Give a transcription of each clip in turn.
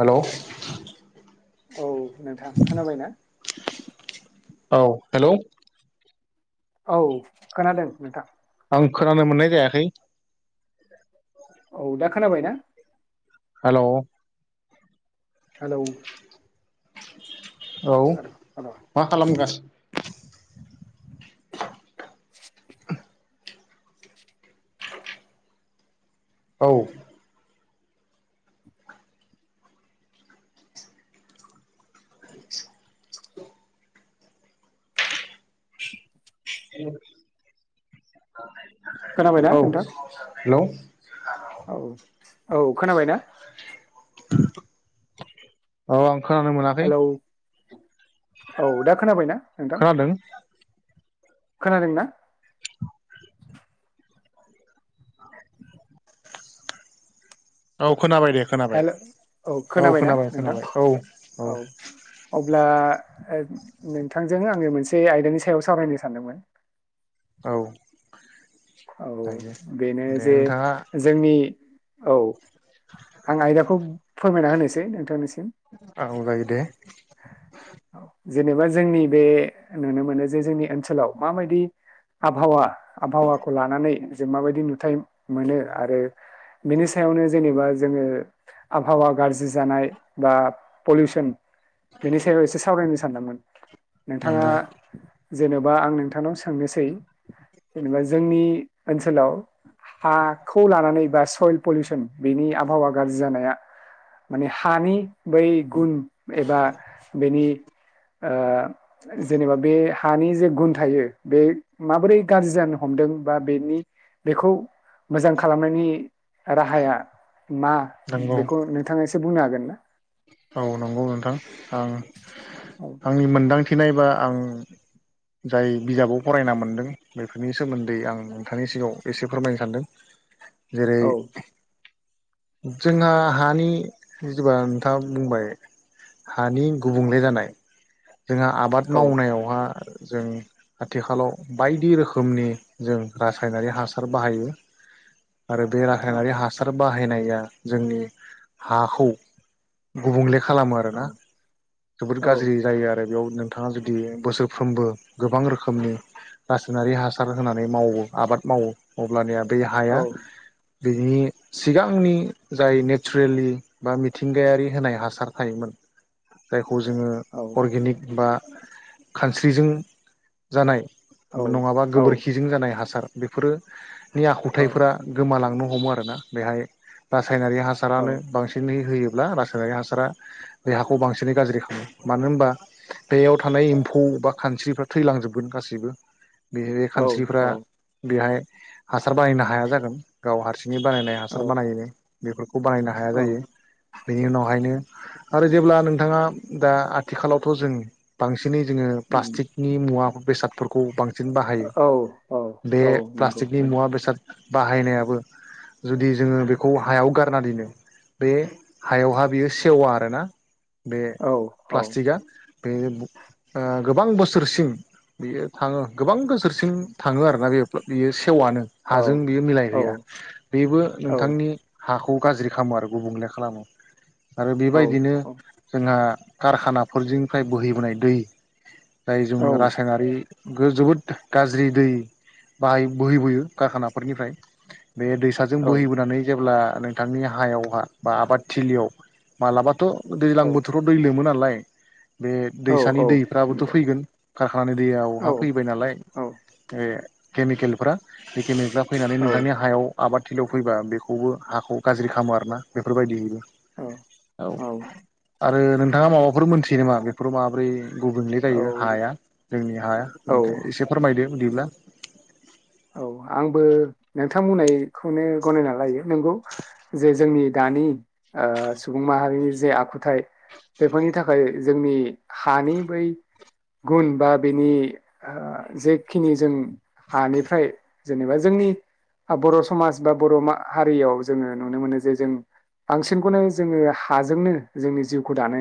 Hello. औ। नोंथां खोनाबाय ना? औ हेलौ। औ खोनादों नोंथां। आं खोनानो मोननाय जायाखै। औ दा खोनाबायना? हेलौ। Hello hello. मा खालामगासिनो [unintelligible] औ। [unintelligible] [unintelligible] खोनाबायना [inaudible] औ। नोंथां हेलौ [inaudible] औ औ खोनाबायना? औ आं। खोनानो मोनाखै। हेलौ औ दा खोनाबायना नोंथां? खोनादों औ खोनादोंना? औ। खोनाबाय दे खोनाबाय हेल' औ खोनाबायना खोनाबाय नोंथां खोनाबाय औ औ। आ ओद नोंथांजों आङो मोनसे आयदानि सायाव सावरायनो सानदोंमोन। औ। औ दायो बेनो दे जे नोंथाङा जोंनि औ आं आयदाखौ फोरमायना होनोसै नोंथांनिसिम औ जायो दे। जेनेबा जोंनि बे नुनो मोनो जे जोंनि ओनसोलाव माबायदि आबहावा आबहावा खौ लानानै जों माबायदि नुथाय मोनो आरो बेनि सायावनो जेनेबा जोङो आबहावा गाज्रि जानाय बा पलिउसन बेनि सायाव एसे सावरायनोस सान्दोंमोन। नोंथाङा नंगौ जेनबा आं नोंथांनाव सोंनोसै जेनेबा जोंनि ओनसोलाव हाखौ लानानै बा सयल पलिउसन बेनि आबहावा गाज्रि जानाया माने हानि बै गुन एबा बेनि ओ जेनेबा बे हानि जे गुन थायो बे माबोरै गाज्रि जानो हमदों बा बेनि बेखौ मोजां खालामनायनि राहाया मा नंगौ बेखौ नोंथाङा एसे बुंनो हागोन [inaudible] औ नंगौ नोंथां आं औ आंनि मोनदांथि थि नायबा आं जाय बिजाबाव फरायना मोनदों बेफोरनि सोमोन्दै आं नोंथांनि सिगाङाव एसे फोरमायनो सानदों जेरै औ जोंहा हानि गोबां खोथा बुंबाय हानि गुबुंले जानाय जोंहा आबाद औ मावनायावहा जों आथिखालाव बायदि रोखोमनि जों रासायनारि हासार बाहायो आरो बे राखायनारि हासार बाहायनाया जोंनि हाखौ गुबुंले खालामो औ आरोना जोबोद औ गाज्रि जायो आरो [unintelligible] नोंथाङा जुदि बोसोरफ्रोमबो गोबां रोखोमनि रासायनारि हासार होनानै मावो आबाद मावो अब्लानिया औ देहाया बिनि सिगांनि जाय नेचरेलि बा मिथिंगायारि होनाय हासार थायोमोन जाय खौ जोङो औ बा खानस्रिजों जानाय औ नङाबा औ गोबोरखिजों जानाय हासार बेफोरो नि आखुथायाइफोरा गोमालांनो ह हमो आरोना बेहाय रा सायनारि हासारानो बांसिनै होयो ब्ला रायनारि हासारा बे हाखौ बांसिनै गाज्रि खालामो मानो होम बा बेयाव थानाय एम्फौ बा खानस्रिफ्रा थैलांजोबगोन गासिबो बे औ खानस्रिफ्रा औ बेहाय हासार बानायनो हाया जागोन गाव हारसि नि बानायनाय हासार औ बानायो बेफोर खौ बानायनो हाया औ जायो बेनि उनावहायनो आरो जेब्ला नोंथाङा दा आ थिखालावथ' जों बांसि बिनि जोङो उम प्लास्टिकनि मुवा बेसाद फोरखौ बां सिन बाहायो औ औ बे औ नंगौ प्लास्टिकनि नोंथां मुवा बेसाद बाहायनायाबो जुदि जोङो बेखौ हायाव गारना दोनो बे हायावहा बियो सेवा आरोना बे औ। प्लास्टिकआ बे ब ओ गोबां बोसोरसिम बियो थाङो गोबां बोसोरसिम थाङो आरोना बेयो बियो से सेवनो औ हाजों बेयो औ मिलायहैया बेबो नोंथांनि हा खौ गाज्रि खालामो आरो गुबुंले खालामो आरो औ बेबायदिनो जोंहा कारखानाफोरजोंनिफ्राय बोहैबोनाय दै फ्राय जों औ रासायनारि गो जोबोद गाज्रि दै बाहाय बोहैबोयो कारखानाफोरनिफ्राय बे दैसाजों औ बोहैबोनानै जेब्ला नोंथांनि हायावहा बा आबाद थिलियाव मालाबाथ' दैलां औ बोथोराव दै लोमो नालाय बे औ दैसानि औ दैफ्राबोथ' नंगौ फैगोन खारखानानि औ दैयावहा फैबाय नालाय औ बे केमिकेलफ्रा बे केमिकेला फैनानै औ नोंथांनि हायाव आबाद थिलियाव फैबा बेखौबो हाखौ गाज्रि खामो आरोना बेफोरबायदि हैयो औ आरो नों नोंथाङा माबाफोर मोनथियो नामा बेफोराव माबोरै गुबुंले जायो औ हाया जोंनि हाया औ ओंखाय एसे फोरमायदो दिब्ला औ आंबो नोंथां बुंनायखौनो गनायना लायो नंगौ जे जोंनि दानि ओ स सुबुं माहारिनि जे आखुथाय बेफोरनि थाखाय जोंनि हानि बै गुन बा बेनि ओ जेखिनि जों हानिफ्राय फ्राय जेनेबा जोंनि बर' समाज बा बर' मा हारियाव जोङो नुनो मोनो जे जों बांसिनखौनो जोङो हाजोंनो जोंनि जिउखौ दानो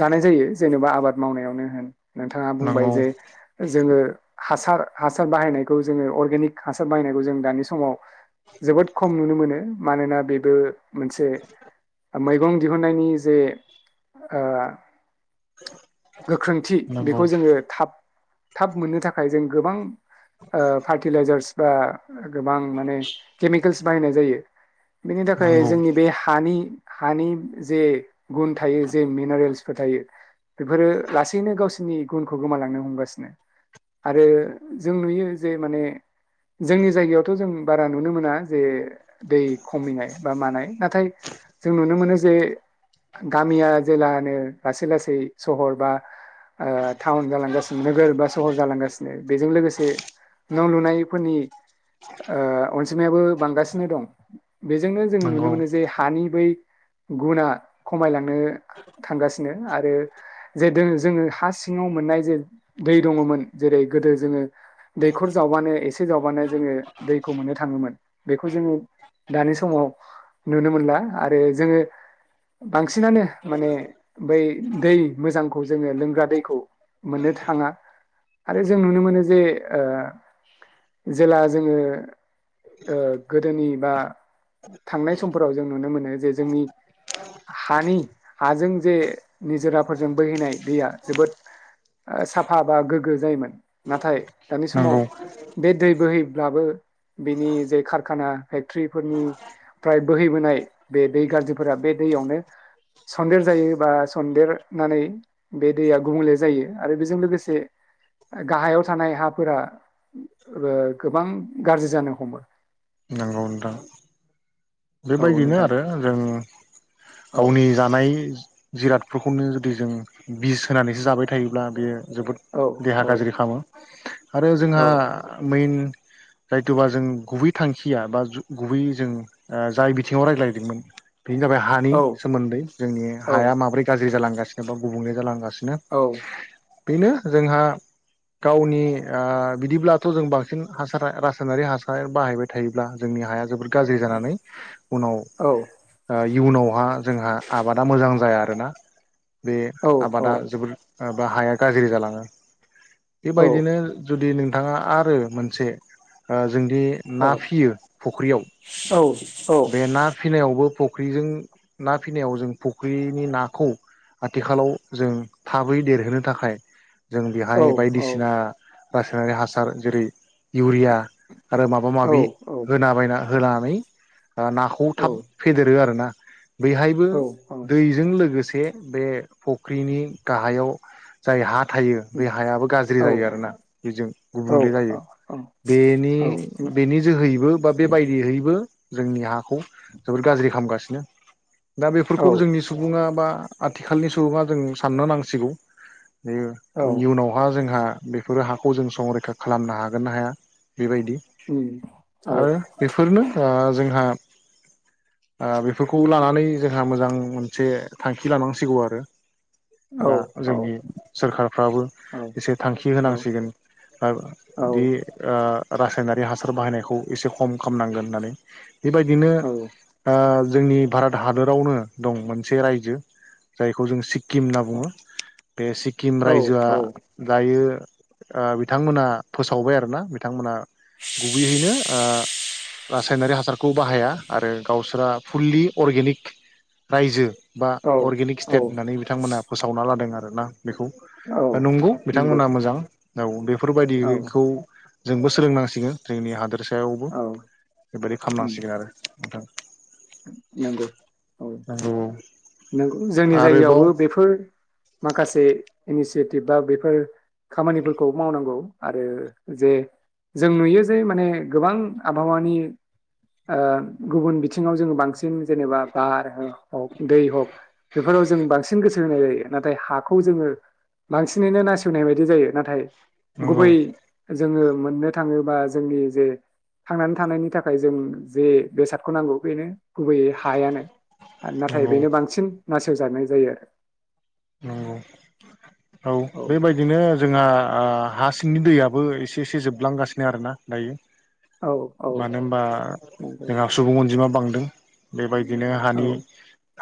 दानाय जायो जेनेबा आबाद मावनायावनो होन नोंथाङा बुंबाय नांगौ जे जोङो हासार हासार बाहायनायखौ जोङो अर्गेनिक हासार बायनायखौ जों दानि समाव जोबोद खम नुनो मोनो मानोना बेबो मोनसे मैगं दिहुननायनि जे ओ गोख्रोंथि नांगौ बेखौ जोङो थाब थाब मोननो थाखाय जों गोबां ओ फार्टिलाइजार्स बा गोबां माने केमिकेलस बाहायनाय जायो बेनि थाखाय नांगौ जोंनि बे हानि हानि जे गुन थायो जे मिनारेल्स फोर थायो बेफोरो लासैनो गावसिनि गुनफोरखौ गोमालांनो हमगासिनो आरो जों नुयो जे माने जोंनि जायगायावथ' जों बारा नुनो मोना जे दै खमिनाय बा मानाय नाथाय जों नुनो मोनो जे गामिया जेला नो लासै लासै सहर बा ओ टाउन जालांगासिनो नोगोर बा सहर जालांगासिनो बेजों लोगो न' लुनायफोरनि ओ अन जिमायाबो बांगासिनो दं बेजोंनो जोङो नुनो नंगौ मोनो जे हानि बै गुना खमायलांनो थांगासिनो आरो जे जोङो हा सिङाव मोननाय जे दै दङमोन जेरै गोदो जोङो दैखर जावबानो एसे जावबानो जोङो दैखौ मोननो थाङोमोन बेखौ जोङो दानि समाव नुनो मोनला आरो जोङो बांसिनानो माने बै दै मोजांखौ जोङो लोंग्रा दैखौ मोननो थाङा आरो जों नुनो मोनो जे ओ जेला जोङो ओ गोदोनि बा थांनाय समफोराव जों नुनो मोनो जे जोंनि हानि हाजों जे निजोराफोरजों बोहैनाय दैया जोबोद साफा बा गोग्गो जायोमोन नाथाय दानि समाव नंगौ बे दै बोहै ब्लाबो बिनि जे कारखाना फेक्टर्रिफोरनिफ्राय बोहैबोनाय बे दै गाज्रिफोरा बे दैयावनो सन्देर जायो बा सन्देरनानै बे दैया गुबुंले जायो आरो बेजों लोगोसे गाहायाव थानाय हा फोरा ओ गोबां गाज्रि जानो हमो औ नोंथां औ बेबायदिनो नोंथां आरो जों औ गावनि जानाय जिरादफोरखौनो जुदि जों बिस होनानैसो जाबाय थायोब्ला बेयो जोबोद औ देहा गाज्रि खालामो आरो जोंहा औ मेन जायथ'बा जों गुबै थांखिया बा गुबैयै जों ओ जाय बिथिङाव रायज्लायदोंमोन। बेनो जाबाय हानि औ सोमोन्दै जोंनि औ हाया माबोरै गाज्रि जालां गासिनो दं गुबुंले जालां सिनो औ बेनो जोंहा गावनि ओ बिदिब्लाथ' जों बांसिन हासार रासायनारि हासार बाहायबाय थायोब्ला जोंनि हाया जोबोर गाज्रि जानानै उनाव ओ इयुनाव [unintelligible] जोंहा आबादा मोजां जाया आरोना। बे आबादा जोबोर बा हाया गाज्रि जालाङो। बेबायदिनो जुदि नों थाङा आरो मोनसे ओ जोंदि ना फियो फुख्रियाव बे ना फिनायावबो फख्रिजों ना फिनायाव जों फख्रिनि नाखौ आथिखालाव जों थाबै देरहोनो थाखाय जों बेहाय बायदिसिना रासायनारि हासार जेरै इउरिया आरो माबा माबि बायना होनानै नाखौ थाब फेदेरो आरोना। बेहायबो दैजों लोगोसे बे फख्रिनि गाहायाव जाय हा थायो बे हायाबो गाज्रि जायो आरोना बेजों गुबुंले जायो बेनि बेनि जोहै बेबायदिहैबो जोंनि हाखौ जोबोर गाज्रि खामगासिनो। दा बेफोरखौ जोंनि सुबुङा बा आथिखालनि सुबुङा जों साननो नांसिगौ। बेयो इयुनावहा जोंहा बेफोरो हाखौ जों संरैखा खालामनो हागोन ना हाया। बेबायदि। आरो बेफोरनो ओ जोंहा ओ बेफोरखौ लानानै जोंहा मोजां मोनसे थांखि लानांसिगौ आरो। बा औ जोंनि सोरखारफ्राबो एसे थांखि होनांसिगोन ओ दि ओ रासायनारि हासार बाहायनायखौ एसे खम खामनांगोन होननानै। बेबायदिनो ओ जोंनि भारत हादोरावनो दं मोनसे रायजो जायखौ जों सि किम होनना बुङो। बे सिक्किम रायजोआ दायो ओ बिथांमोना फोसावबाय आरोना बिथांमोना गुबैयैनो ओ रासायनारि हासार खौ बाहाया आरो गावसोरा फुलि अर्गेनिक रायजो बा अर्गेनिक स्टेट होननानै बिथांमोना फोसावना लादों आरो ना बेखौ नंगौ बिथांमोना मोजां औ [unintelligible] औ बेफोरबायदिखौ जोंबो सोलोंनांसिगोन जोंनि हादोर सायावबो औ बेबायदि खालामनांसिगोन आरो [unintelligible] नंगौ औ नंगौ नंगौ जोंनि आरोबाव जायगायावबो बेफोर माखासे इनिसियेटिभबा बेफोर खामानिफोरखौ मावनांगौ आरो जे जों नुयो जे माने गोबां आबहावानि गुबुन बिथिं सिङाव जों बांसिन बांसिन जेनेबा बार हक दै हक बेफोराव जों बांसिन गोसो होनाय जायो नाथाय हाखौ जोङो बांसिनैनो नासयनाय बायदि जायो नाथाय नंगौ गुबै जोङो मोननो थाङोबा जोंनि जे थांनानै थानायनि थाखाय जों जे बेसादखौ नांगौ बेनो गुबैयै हायानो नाथाय नंगौ बेनो बांसिन होजानाय जायो नंगौ औ बेबायदिनो जोंहा आ हा सिंनि दैयाबबो एसे एसे जोबलांगासिनो आरोना दायो आरो औ मानो होनोबा नंगौ जोंहा सुबुं अनजिमा बांदों बेबायदि दिनो औ हानि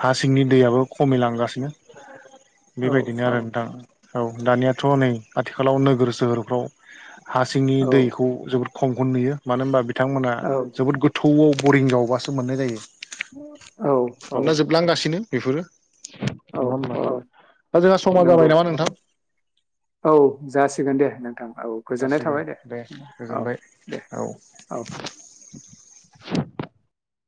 हा सिंनि दैयाबो खमिलांगासिनो औ बेबायदिनो आरो नोंथां औ दानियाथ नै आथिखालाव नोगोर सोहोरफ्राव हा सिंनि औ दैखौ जोबोद खमखन नुयो मानो होनबा बिथांमोना जोबोद गोथौआव बरिं जावबासो मोननाय जायो औ औ मानोना जोबलांगासिनो बेफोरो नङा होनबा औ दा जोंहा समा नंगौ जाबाय नामा नोंथां औ जासिगोन दे नोंथां औ गोजोननाय जासिगोन थाबाय दे औ गोजोनबाय दे औ औ [inaudible]